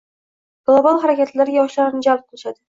Global harakatlarga yoshlarni jalb qilishdi